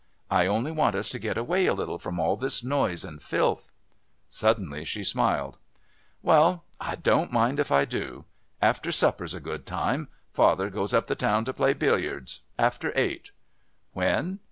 "I only want us to get away a little from all this noise and filth." Suddenly she smiled. "Well, I don't mind if I do. After supper's a good time. Father goes up the town to play billiards. After eight." "When?"